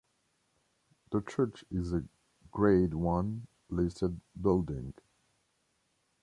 The church is a Grade One listed building.